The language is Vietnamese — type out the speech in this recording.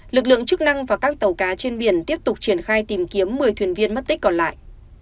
lực lượng chức năng và các tàu cá trên biển tiếp tục triển khai tìm kiếm một mươi thuyền viên mất tích còn lại